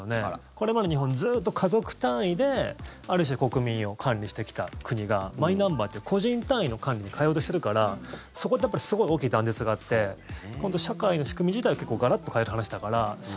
これまで日本、ずっと家族単位である種、国民を管理してきた国がマイナンバーで個人単位の管理に変えようとしてるからそこって、やっぱりすごい大きい断絶があって社会の仕組み自体を結構、ガラッと変える話だから。